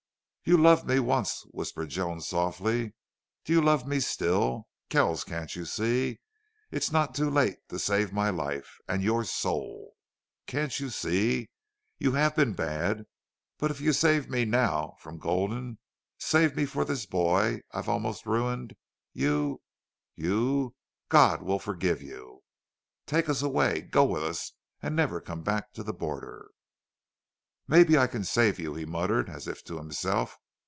"You loved me once," whispered Joan, softly. "Do you love me still?... Kells, can't you see? It's not too late to save my life and YOUR soul!... Can't you see? You have been bad. But if you save me now from Gulden save me for this boy I've almost ruined you you.... God will forgive you!... Take us away go with us and never come back to the border." "Maybe I can save you," he muttered, as if to himself.